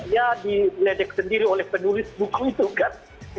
ya di ledek sendiri oleh penulis buku itu kan